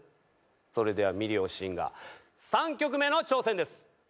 それでは『ミリオンシンガー』３曲目の挑戦です。